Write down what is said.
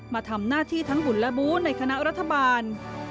มาทำหน้าที่ทั้งบุญและบูธในคณะรัฐบาล